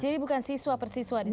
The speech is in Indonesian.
jadi bukan siswa persiswa disini